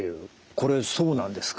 これそうなんですか？